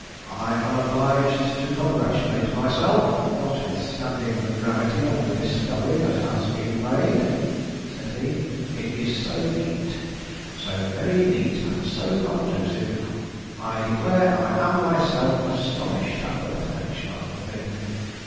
"I am obliged to congratulate myself, notwithstanding the gravity of the discovery that has been made," said he. "It is so neat, so very neat, and so conclusive. I declare I am myself astonished at the perfection of the thing.